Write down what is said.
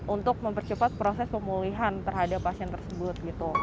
untuk mempercepat proses pemulihan terhadap pasien tersebut